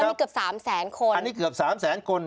แล้วมีเกือบสามแสนคนอันนี้เกือบสามแสนคน